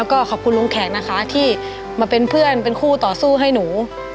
ก็ขอบคุณลุงแขกนะคะที่มาเป็นเพื่อนเป็นคู่ต่อสู้ให้หนู